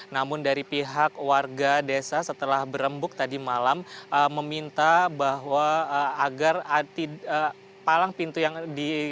namun dari pihak warga desa setelah berembuk tadi malam meminta bahwa agar palang pintu yang di